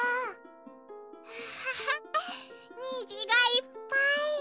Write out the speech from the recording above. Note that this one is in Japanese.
アハハにじがいっぱい。